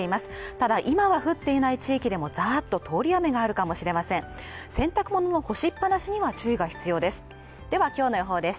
ただ今は降っていない地域でもざっと通り雨があるかもしれません洗濯物の干しっぱなしには注意が必要ですではきょうの予報です